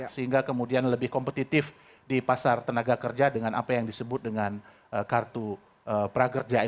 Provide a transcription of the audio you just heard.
sehingga kemudian lebih kompetitif di pasar tenaga kerja dengan apa yang disebut dengan kartu prakerja